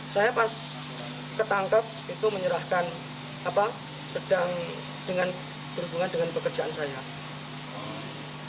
saya pas ketangkep itu menyerahkan sedang dengan berhubungan dengan pekerjaan saya